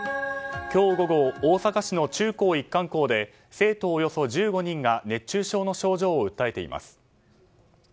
今日午後大阪市の中高一貫校で生徒およそ１５人が熱中症の症状を訴えています。